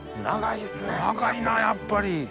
長いなやっぱり。